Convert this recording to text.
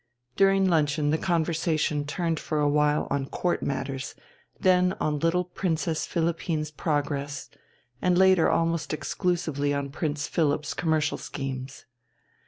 During luncheon the conversation turned for a while on Court matters, then on little Princess Philippine's progress, and later almost exclusively on Prince Philipp's commercial schemes.